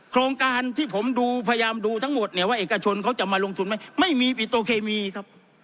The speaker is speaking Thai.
โครงการที่ผมดูพยายามดูทั้งหมดเนี่ยว่าเอกชนเขาจะมาลงทุนไหมไม่มีปิโตเคมีครับ